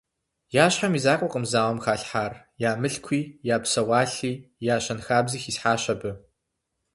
Я щхьэм и закъуэкъым зауэм халъхьар, я мылъкуи, я псэуалъи, я щэнхабзи хисхьащ абы.